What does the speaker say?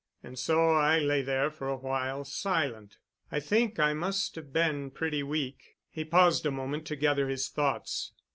And so I lay there for a while, silent. I think I must have been pretty weak." He paused a moment to gather his thoughts.